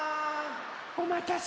おまたせ。